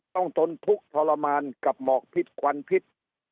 ทนทุกข์ทรมานกับหมอกพิษควันพิษ